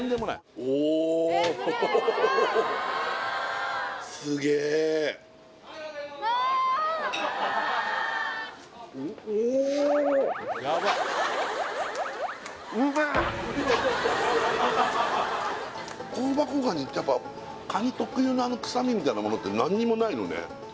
おおお香箱蟹ってやっぱカニ特有のあの臭みみたいなものって何にもないのね